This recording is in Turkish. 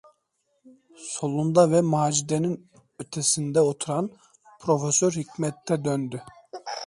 Solunda ve Macide’nin ötesinde oturan Profesör Hikmet’e döndü: